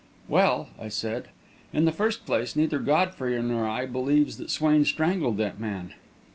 "Well," I said, "in the first place, neither Godfrey nor I believes that Swain strangled that man."